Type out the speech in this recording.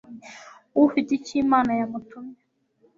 ufite icyo imana yamutumye